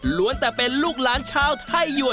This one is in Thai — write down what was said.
แต่เป็นลูกหลานชาวไทยยวน